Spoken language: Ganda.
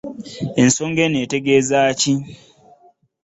Ensongaa eno etegeeza ki .